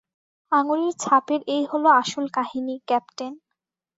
আঙুলের ছাপের এ হলো আসল কাহিনী, ক্যাপ্টেন।